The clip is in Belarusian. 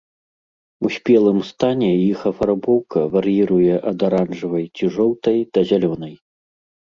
У спелым стане іх афарбоўка вар'іруе ад аранжавай ці жоўтай да зялёнай.